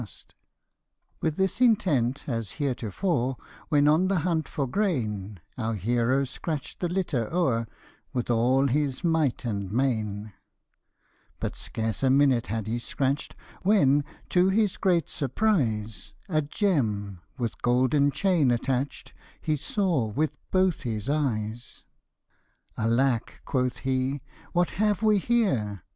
Tlie Cock the Jewel. The Man fc the Lion. With this intent, as heretofore, When on the hunt for grain, Our hero scratch'd the litter o'er With all his might and main. But scarce a minute had he scratch'd, When, to his great surprise, A gem, with golden chain attach'd, He saw with both his eyes. " Alack !" quoth he, <' what have we herr